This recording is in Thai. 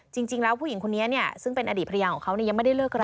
จริงแล้วผู้หญิงคนนี้เนี่ยซึ่งเป็นอดีตภรรยาของเขายังไม่ได้เลิกกัน